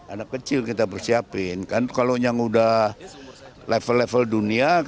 anak kecil kita bersiapin kan kalau yang udah level level dunia